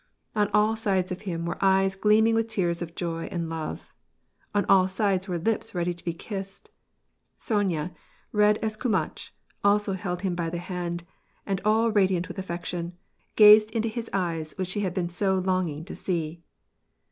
On all sides of him were eyes gleaming with tears of joy and love ; on all sides were lips ready to be kissed. Sonya, ted as kurtiatchy* also held him by the. hand, and all radiant with affection, gazed into his eyes which she had been so long ing to see.